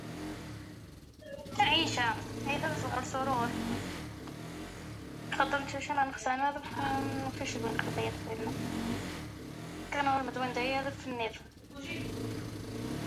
La voix off n'est autre que celle de Pierre Dux.